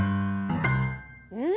うん。